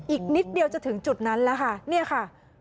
อีกนิดเดียวจะถึงจุดนั้นแล้วค่ะเนี่ยค่ะ